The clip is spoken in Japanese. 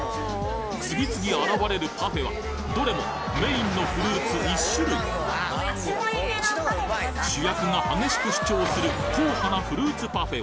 次々現れるパフェはどれもメインのフルーツ１種類主役が激しく主張する硬派なフルーツパフェ